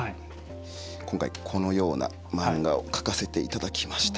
今回、このような漫画を描かせていただきました。